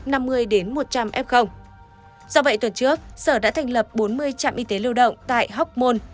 do vậy tuần trước sở đã thành lập bốn mươi trạm y tế lưu động tại hoc mon